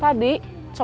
tadi copetnya lolos ya